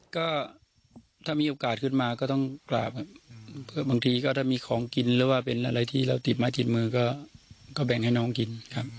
ก็ถ้ามีโอกาสขึ้นมาก็ต้องกราบครับบางทีก็ถ้ามีของกินหรือว่าเป็นอะไรที่เราติดไม้ติดมือก็แบ่งให้น้องกินครับ